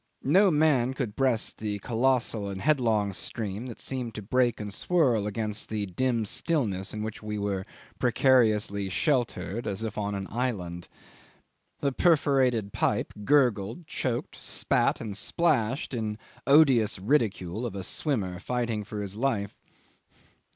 No man could breast the colossal and headlong stream that seemed to break and swirl against the dim stillness in which we were precariously sheltered as if on an island. The perforated pipe gurgled, choked, spat, and splashed in odious ridicule of a swimmer fighting for his life.